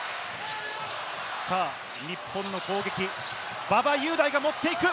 日本の攻撃、馬場雄大が持っていく！